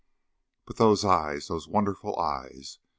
But those eyes those wonderful eyes!